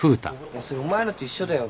それお前のと一緒だよ。